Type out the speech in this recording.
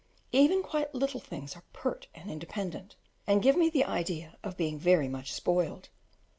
Even quite little things are pert and independent, and give me the idea of being very much spoiled.